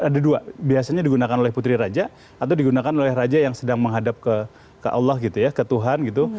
ada dua biasanya digunakan oleh putri raja atau digunakan oleh raja yang sedang menghadap ke allah gitu ya ke tuhan gitu